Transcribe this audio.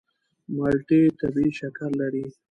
مالټې طبیعي شکر لري.